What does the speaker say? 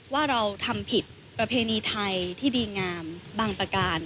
ว่าเราทำผิดประเพณีไทยที่ดีงามบางประการ